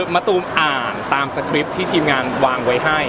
มะตูมอ่านตามสคริปต์ที่ทีมงานวางไว้ให้